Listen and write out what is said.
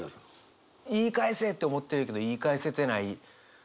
言い返せって思ってるけど言い返せてない。